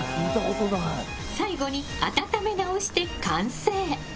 最後に、温めなおして完成。